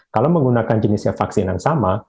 kalau menggunakan jenisnya vaksin yang sama